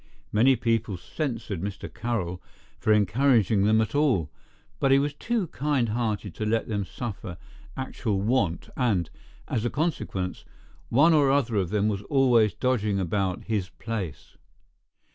Many people censured Mr. Carroll for encouraging them at all, but he was too kind hearted to let them suffer actual want and, as a consequence, one or the other of them was always dodging about his place.